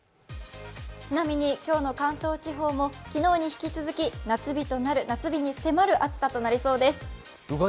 ちなみに今日の関東地方も昨日に引き続き夏日に迫る暑さとなりそうです。